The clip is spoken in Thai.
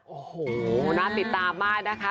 โอ้โหน่าติดตามมากนะคะ